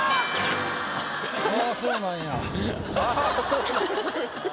あぁそうなんや。